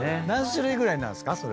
何種類ぐらいなんすか？